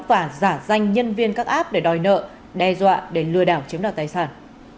và giả danh nhân viên các app để đòi nợ đe dọa để lừa đảo chiếm đoạt tài sản